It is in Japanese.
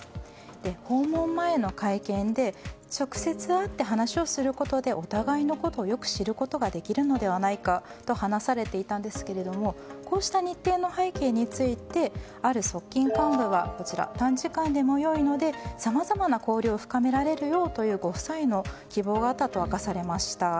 訪問前の会見で直接会って話をすることでお互いのことをよく知ることができるのではないかと話されていたんですけれどもこうした日程の背景についてある側近幹部は短時間でもいいのでさまざまな交流を深められるようというご夫妻の希望があったと明かされました。